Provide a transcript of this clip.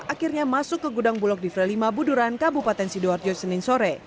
akhirnya masuk ke gudang bulog divre lima buduran kabupaten sidoarjo senin sore